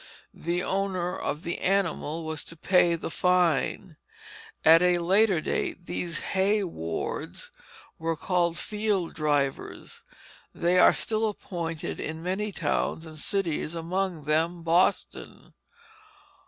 The owner of the animal was to pay the fine. At a later date these hay wards were called field drivers. They are still appointed in many towns and cities, among them Boston.